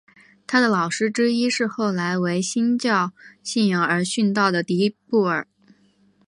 他的老师之一是后来为新教信仰而殉道的迪布尔。